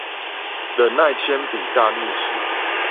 忍耐鉛筆大逆襲